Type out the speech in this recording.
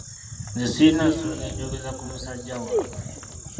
Nze sirina nsonga enjogeza ku musajja wange.